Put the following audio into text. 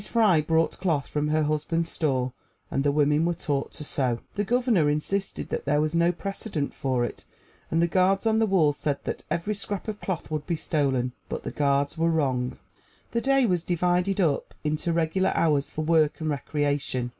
Fry brought cloth from her husband's store, and the women were taught to sew. The Governor insisted that there was no precedent for it, and the guards on the walls said that every scrap of cloth would be stolen, but the guards were wrong. The day was divided up into regular hours for work and recreation.